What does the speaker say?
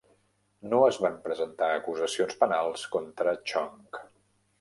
No es van presentar acusacions penals contra Chong.